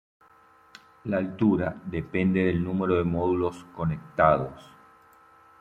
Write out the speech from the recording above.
La altura depende del número de módulos conectados.